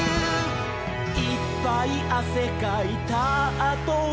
「いっぱいあせかいたあとは」